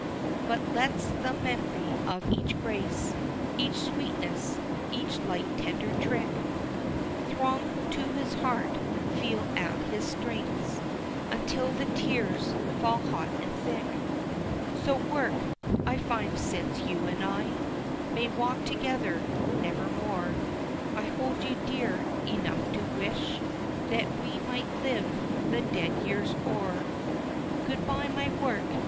But lets the mem'ry of each grace, Each sweetness, each light tender trick Throng to his heart, feel at its strings, Until the tears fall hot and thick. So work, I find since you and I May walk together nevermore, I hold you dear enough to wish That we might live the dead years o'er. Good bye my work!